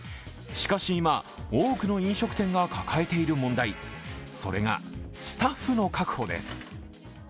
しかし今、多くの飲食店が抱えている問題、それがスタッフの確保です。